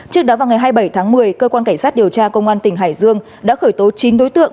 trước đó vào ngày hai mươi bảy tháng một mươi cơ quan cảnh sát điều tra công an tỉnh hải dương đã khởi tố chín đối tượng